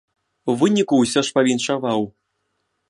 У выніку ўсё ж павіншаваў.